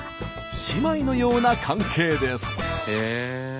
姉妹のような関係です。